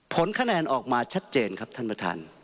ผลคะแนนออกมาชัดเจนครับท่านประธาน